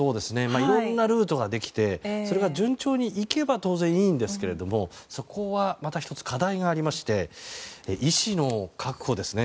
いろんなルートができてそれが順調にいけば当然、いいんですがそこは、また１つ課題がありまして医師の確保ですね。